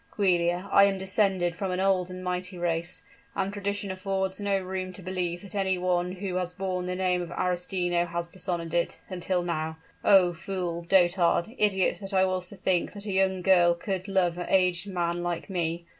Giulia, I am descended from an old and mighty race, and tradition affords no room to believe that any one who has borne the name of Arestino has dishonored it until now! Oh! fool dotard idiot that I was to think that a young girl could love an aged man like me!